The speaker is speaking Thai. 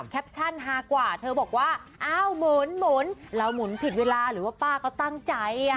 ฮากว่าเธอบอกว่าอ้าวหมุนเราหมุนผิดเวลาหรือว่าป้าก็ตั้งใจ